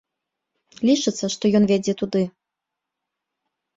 Лічыцца, што ён вядзе туды.